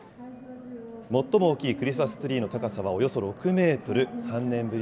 最も大きいクリスマスツリーの高さはおよそ６メートル。